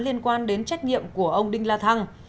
liên quan đến trách nhiệm của ông đinh la thăng